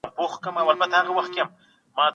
مالیات د دولت اصلي عاید دی.